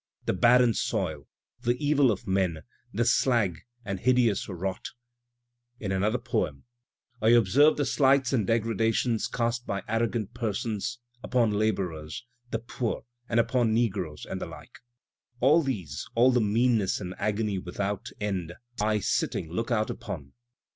The barren soil, the evil men, the slag and hideous rot. Digitized by Google 228 THE SPIRIT OF AMERICAN LITERATURE In another poem: I observe the slights and degradations cast by arrogant persons upon labourers, the poor, and upon negroes and the like; All these — all the meanness and agony without end I sitting look out upon.